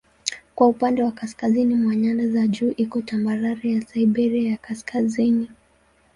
Kwa upande wa kaskazini mwa nyanda za juu iko tambarare ya Siberia ya Kaskazini.